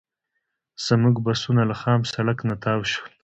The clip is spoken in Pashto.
زموږ بسونه له خام سړک نه تاو شول.